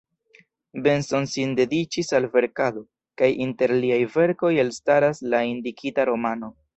Benson sin dediĉis al verkado; kaj inter liaj verkoj elstaras la indikita romano.